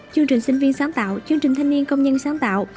chương trình sinh viên sáng tạo chương trình thanh niên công nhân sáng tạo